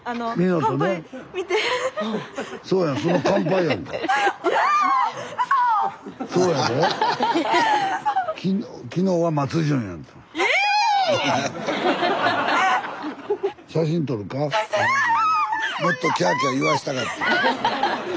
スタジオもっとキャーキャー言わしたかった。